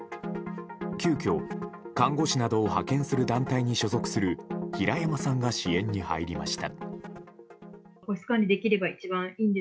急きょ看護師などを派遣する団体に所属する平山さんが支援に入りました。